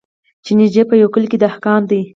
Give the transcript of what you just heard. چي نیژدې په یوه کلي کي دهقان دی